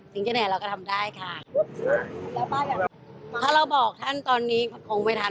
สิ่งที่แหน่งเราก็ทำได้ค่ะถ้าเราบอกท่านตอนนี้คงไม่ทัน